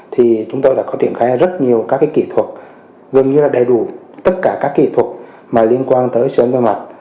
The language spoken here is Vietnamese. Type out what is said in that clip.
thì chúng tôi đã có triển khai rất nhiều các cái kỹ thuật gồm như là đầy đủ tất cả các kỹ thuật mà liên quan tới siêu âm tim mạch